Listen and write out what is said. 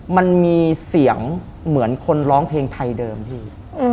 มันมีเสียงเหมือนคนร้องเพลงไทยเดิมพี่